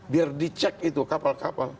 biar dicek itu kapal kapal